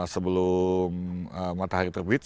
sebelum matahari terbit